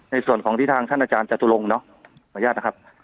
ในส่วนของที่ทางท่านอาจารย์จตุลงเนาะขออนุญาตนะครับ